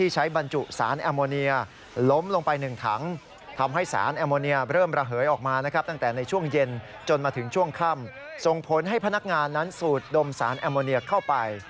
จนมาถึงช่วงค่ำส่งผลให้พนักงานนั้นสูดดมสารแอมโมเนียเข้าไป